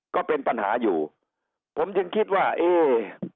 ก็เป็นปัญหาอยู่ผมจึงคิดว่าเอ๊